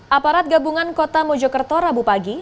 aparat gabungan kota mojokerto rabu pagi